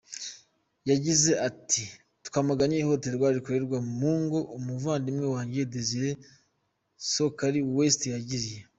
Yagize ati“ twamaganye ihohoterwa rikorerwa mu ngo ! Umuvandimwe wanjye Desire Sokari West yagiye .